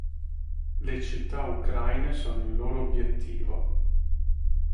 Le città ucraine sono il loro obiettivo".